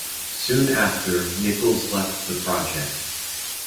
Soon after, Nichols left the project.